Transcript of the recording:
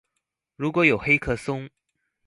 如果有黑客松